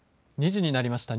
２時になりました。